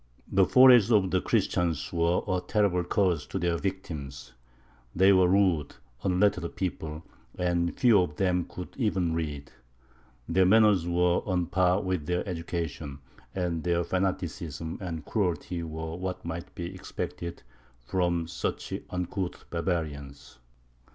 The forays of the Christians were a terrible curse to their victims; they were rude, unlettered people, and few of them could even read; their manners were on a par with their education; and their fanaticism and cruelty were what might be expected from such uncouth barbarians.